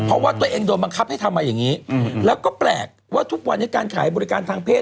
เพราะว่าตัวเองโดนบังคับให้ทำมาอย่างนี้แล้วก็แปลกว่าทุกวันนี้การขายบริการทางเพศ